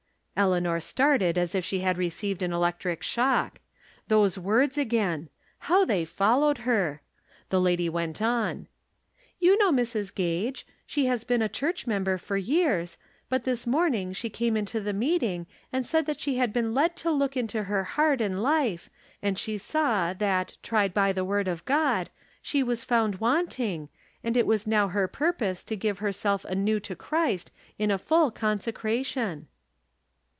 " Eleanor started as if she had received an elec tric shock. Those words again ! Plow they fol lowed her ! The lady went on :" You know Mrs. Gage. She has been a church member for years ; but this morning she came into the meeting and said that she had been led to look into her heart and life, and she saw that, tried by the word of God, she was found wanting, and it was now her purpose to give her self anew to Christ in a full consecration."